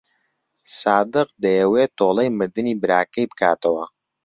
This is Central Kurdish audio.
سادق دەیەوێت تۆڵەی مردنی براکەی بکاتەوە.